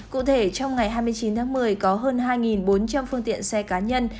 cụ thể trong ngày hai mươi chín tháng một mươi có hơn hai bốn trăm linh phương tiện xe cá nhân